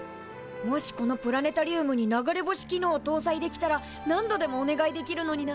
もしこのプラネタリウムに流れ星機能をとうさいできたら何度でもお願いできるのにな。